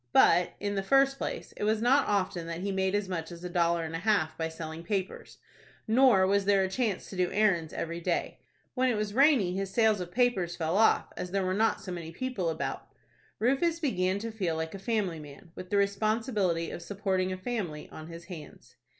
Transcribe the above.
But, in the first place, it was not often that he made as much as a dollar and a half by selling papers, nor was there a chance to do errands every day. When it was rainy his sales of papers fell off, as there were not so many people about Rufus began to feel like a family man, with the responsibility of supporting a family on his hands.